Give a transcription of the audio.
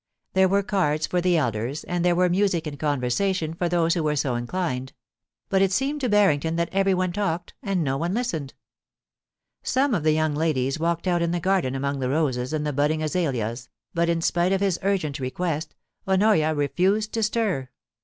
There were cards for the elders, and there were music and conversation for those who were so inclined; but it seemed to Barrington that everyone talked and no one listened Some of the 230 POLICY AND PASSION. young ladies walked out in the garden among the roses and the budding azaleas, but, in spite of his urgent request, Honoria refused to stir.